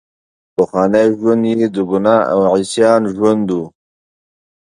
پخوانی ژوند یې د ګناه او عصیان ژوند وو.